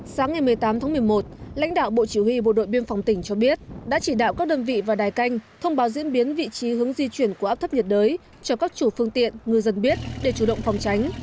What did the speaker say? sáng ngày một mươi tám tháng một mươi một lãnh đạo bộ chỉ huy bộ đội biên phòng tỉnh cho biết đã chỉ đạo các đơn vị và đài canh thông báo diễn biến vị trí hướng di chuyển của áp thấp nhiệt đới cho các chủ phương tiện ngư dân biết để chủ động phòng tránh